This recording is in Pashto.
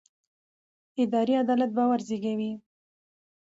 اداري عدالت باور زېږوي